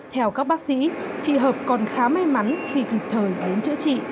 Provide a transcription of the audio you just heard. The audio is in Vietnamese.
theo các bác sĩ chị hợp còn khá may mắn khi kịp thời đến chữa trị